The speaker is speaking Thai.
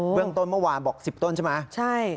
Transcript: เรื่องต้นเมื่อวานบอก๑๐ต้นใช่ไหม